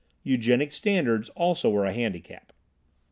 Eugenic standards also were a handicap.